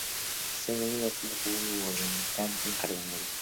Se utiliza bastante como planta ornamental en jardinería.